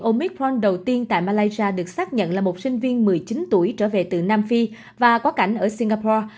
bệnh nhân nội dung omicron đầu tiên tại malaysia được xác nhận là một sinh viên một mươi chín tuổi trở về từ nam phi và quá cảnh ở singapore